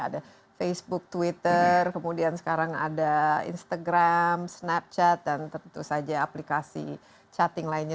ada facebook twitter kemudian sekarang ada instagram snapchat dan tentu saja aplikasi chatting lainnya